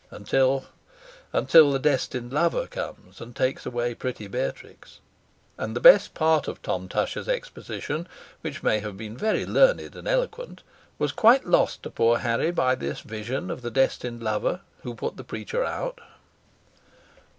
Until until the destined lover comes and takes away pretty Beatrix" and the best part of Tom Tusher's exposition, which may have been very learned and eloquent, was quite lost to poor Harry by this vision of the destined lover, who put the preacher out.